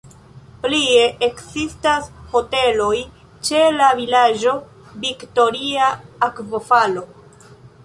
Plie ekzistas hoteloj ĉe la vilaĝo "Viktoria Akvofalo".